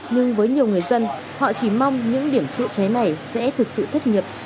nhưng với nhiều người dân họ chỉ mong những điểm chữa cháy này sẽ thực sự thất nghiệp